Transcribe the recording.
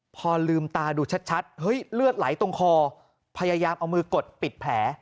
พอลืมตาดูชัดเฮ้ยเลือดไหลตรงคอพยายามเอามือกดปิดแผล